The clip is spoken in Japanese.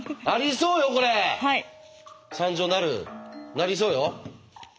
なりそうよ。